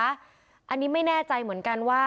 อันนี้ไม่แน่ใจเหมือนกันว่า